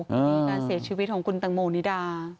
นี่การเสียชีวิตของคุณตังโมนิดา